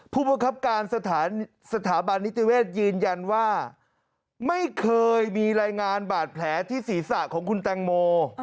ผู้บังคับการสถาบันนิติเวศยืนยันว่าไม่เคยมีรายงานบาดแผลที่ศีรษะของคุณแตงโม